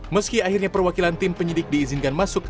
meski akhirnya perwakilan tim penyidik diizinkan masuk